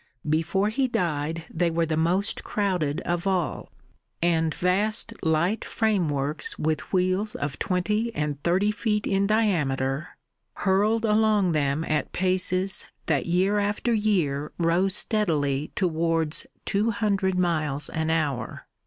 Before he died they were the most crowded of all, and vast light frameworks with wheels of twenty and thirty feet in diameter, hurled along them at paces that year after year rose steadily towards two hundred miles an hour.